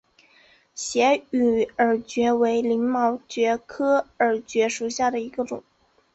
斜羽耳蕨为鳞毛蕨科耳蕨属下的一个种。